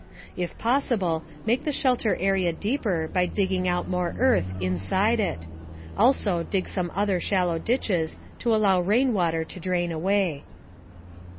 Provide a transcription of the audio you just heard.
If possible, make the shelter area deeper by digging out more earth inside it. Also dig some other shallow ditches, to allow rain water to drain away.